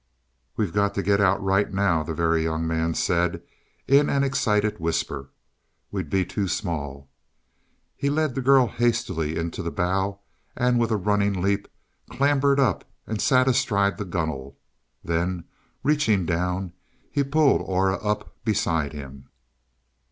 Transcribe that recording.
"We've got to get out right now," the Very Young Man said in an excited whisper. "We'd be too small." He led the girl hastily into the bow and with a running leap clambered up and sat astride the gunwale. Then, reaching down he pulled Aura up beside him.